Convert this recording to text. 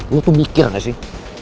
gue tuh mikir gak sih